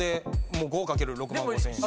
もう５掛ける６万５，０００円。